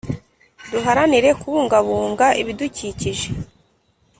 Duharanire Kubungabunga Ibidukikije